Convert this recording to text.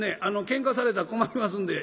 けんかされたら困りますんで」。